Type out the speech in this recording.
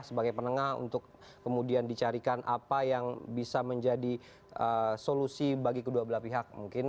sebagai penengah untuk kemudian dicarikan apa yang bisa menjadi solusi bagi kedua belah pihak mungkin